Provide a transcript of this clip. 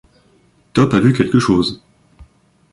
Top a vu quelque chose !